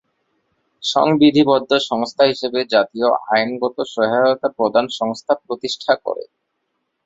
সংবিধিবদ্ধ সংস্থা হিসেবে জাতীয় আইনগত সহায়তা প্রদান সংস্থা প্রতিষ্ঠা করে।